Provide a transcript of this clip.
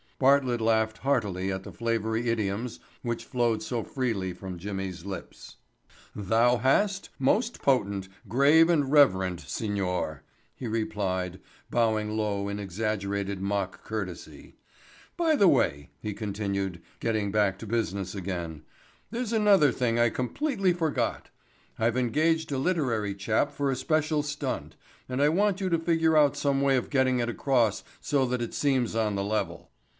Bartlett laughed heartily at the flavory idioms which flowed so freely from Jimmy's lips. "Thou hast, most potent, grave and reverend signor," he replied, bowing low in exaggerated mock courtesy. "By the way," he continued, getting back to business again, "there's another thing I completely forgot. I've engaged a literary chap for a special stunt, and I want you to figure out some way of getting it across so that it seems on the level.